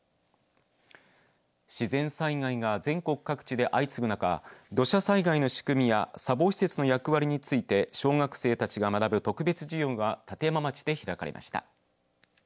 自然災害が全国各地で相次ぐ中土佐災害の仕組みや砂防施設の役割について小学生たちが学ぶ特別授業が立山町で開かれました。